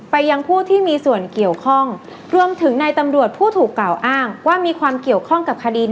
ไปยังพูดที่มีส่วนเกี่ยวข้อง